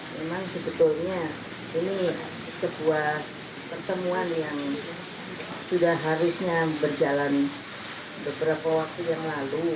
memang sebetulnya ini sebuah pertemuan yang sudah harusnya berjalan beberapa waktu yang lalu